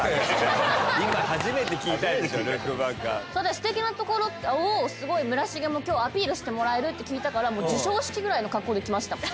素敵なところをすごい村重も今日アピールしてもらえるって聞いたから授賞式ぐらいの格好で来ましたもん。